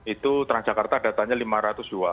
itu transakarta datanya lima ratus jual